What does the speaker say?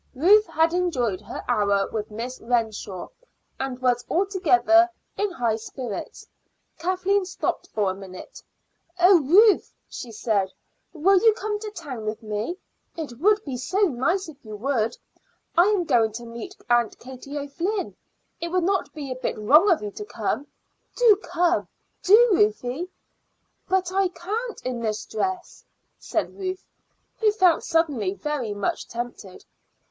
Ruth had enjoyed her hour with Miss Renshaw, and was altogether in high spirits. Kathleen stopped for a minute. "Oh, Ruth," she said, "will you come to town with me? It would be so nice if you would. I am going to meet Aunt Katie O'Flynn. It would not be a bit wrong of you to come. Do come do, Ruthie." "But I can't in this dress," said Ruth, who felt suddenly very much tempted.